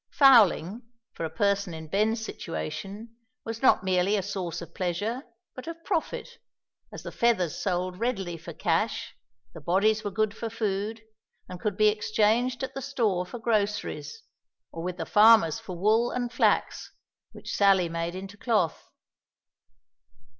Fowling, for a person in Ben's situation, was not merely a source of pleasure, but of profit, as the feathers sold readily for cash, the bodies were good for food, and could be exchanged at the store for groceries, or with the farmers for wool and flax, which Sally made into cloth.